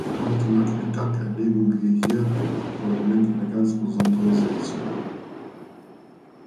Heute nachmittag erleben wir hier im Parlament eine ganz besondere Sitzung.